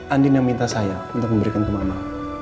andi yang minta saya untuk memberikan ke mama